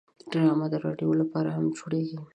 ډرامه د رادیو لپاره هم جوړیږي